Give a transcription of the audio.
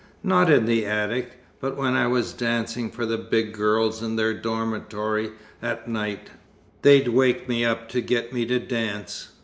Not in the attic, but when I was dancing for the big girls in their dormitory, at night they'd wake me up to get me to dance.